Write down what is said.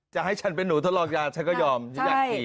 จะให้ฉันเป็นหนูทดลองยาฉันก็ยอมฉันอยากขี่